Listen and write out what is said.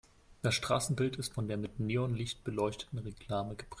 Das Straßenbild ist von der mit Neonlicht beleuchteten Reklame geprägt.